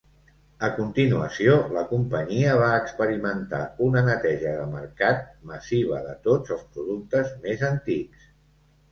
A continuació, la companyia va experimentar una "neteja de mercat" massiva de tots els productes més antics.